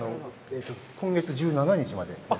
今月１７日までです。